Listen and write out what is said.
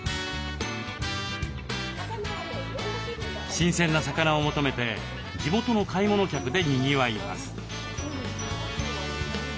新鮮な魚を求めて地元の買い物客でにぎわいます。